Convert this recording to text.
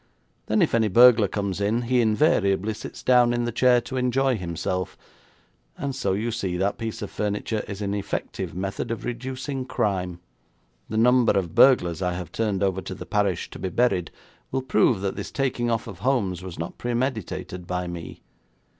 Then, if any burglar comes in, he invariably sits down in the chair to enjoy himself, and so you see, that piece of furniture is an effective method of reducing crime. The number of burglars I have turned over to the parish to be buried will prove that this taking off of Holmes was not premeditated by me.